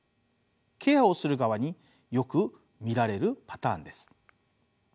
ケアをする側によく見られるパターンです。